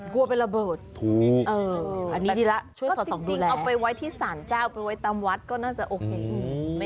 กลัวเป็นระเบิดอันนี้ดีละช่วยเขาสองดูแลเอาไปไว้ที่ศาลเจ้าเอาไปไว้ตามวัดก็น่าจะโอเค